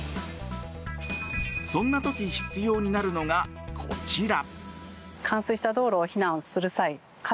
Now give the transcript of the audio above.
そんな時、必要になるのがこちら。